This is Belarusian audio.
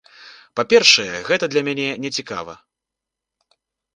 Па-першае, гэта для мяне нецікава.